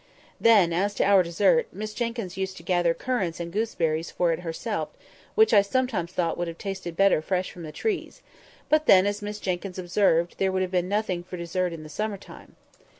Then, as to our dessert, Miss Jenkyns used to gather currants and gooseberries for it herself, which I sometimes thought would have tasted better fresh from the trees; but then, as Miss Jenkyns observed, there would have been nothing for dessert in summer time.